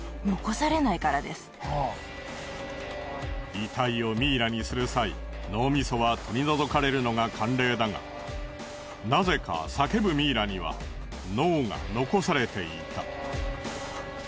遺体をミイラにする際脳みそは取り除かれるのが慣例だがなぜか叫ぶミイラには脳が残されていた。